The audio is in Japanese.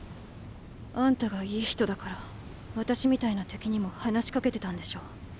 あんたが良い人だから私みたいな敵にも話しかけてたんでしょ？